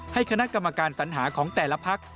คณะกรรมการสัญหาของแต่ละพัก